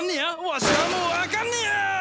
わしはもうあかんねや！